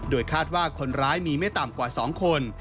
โดยคาดว่าคนร้ายมีไม่ต่ำกว่า๒คน